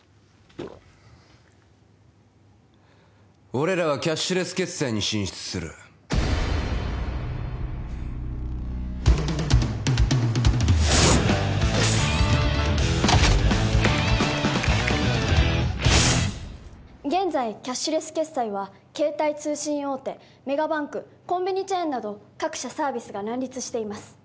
俺らはキャッシュレス決済に進出する現在キャッシュレス決済は携帯通信大手メガバンクコンビニチェーンなど各社サービスが乱立しています